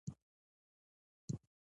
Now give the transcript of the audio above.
احمد تل اسمان په ګوزو ولي.